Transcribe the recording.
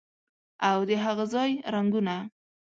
او د هاغه ځای رنګونه